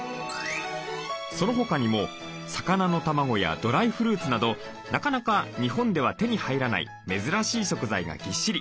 その他にも魚の卵やドライフルーツなどなかなか日本では手に入らない珍しい食材がぎっしり。